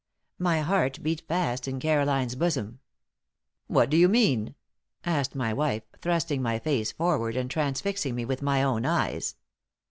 My heart beat fast in Caroline's bosom. "What do you mean?" asked my wife, thrusting my face forward, and transfixing me with my own eyes.